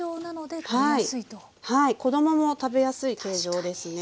はい子供も食べやすい形状ですね。